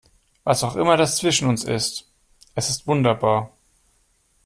Was auch immer das zwischen uns ist, es ist wunderbar.